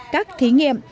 các thí nghiệm